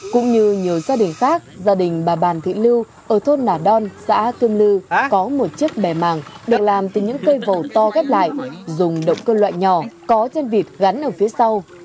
cũng như nhiều gia đình khác gia đình bà bàn thị lưu ở thôn nà đon xã kim lưu có một chiếc bẻ mảng được làm từ những cây vầu to ghép lại dùng động cơ loại nhỏ có trên vịt gắn ở phía sau